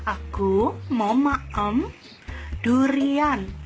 aku mau makan durian